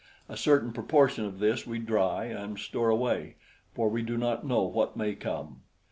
A certain proportion of this we dry and store away, for we do not know what may come.